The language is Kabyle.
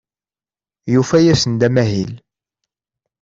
Yufa-asen-d amahil.